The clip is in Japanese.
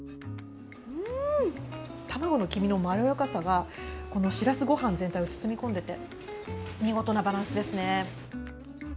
うん、卵の黄身のまろやかさがしらすご飯全体を包み込んでて見事なバランスですね。